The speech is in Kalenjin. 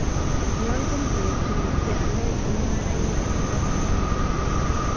Nyoljin koek tuguk chealdoi chemung'araindet chebo komanut